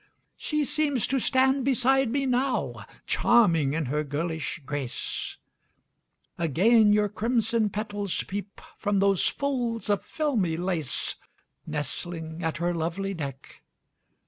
She seems to stand beside me now, Charming in her girlish grace; Again your crimson petals peep From those folds of filmy lace Nestling at her lovely neck.